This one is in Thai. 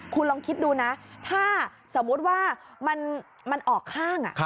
คุณลองคิดดูนะถ้าสมมุติว่ามันออกข้าง